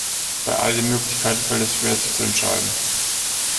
Bei all den Möglichkeiten fällt es schwer, sich zu entscheiden.